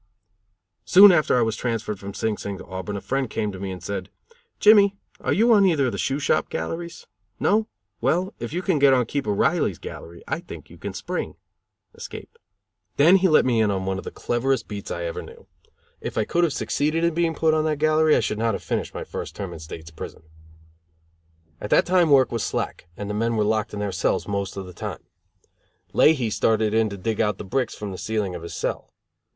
Soon after I was transferred from Sing Sing to Auburn, a friend came to me and said: "Jimmy, are you on either of the shoe shop galleries? No? Well, if you can get on Keeper Riley's gallery I think you can spring (escape)." Then he let me in on one of the cleverest beats I ever knew; if I could have succeeded in being put on that gallery I should not have finished my first term in State's prison. At that time work was slack and the men were locked in their cells most of the time. Leahy started in to dig out the bricks from the ceiling of his cell.